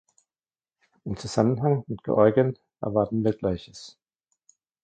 Im Zusammenhang mit Georgien erwarten wir Gleiches.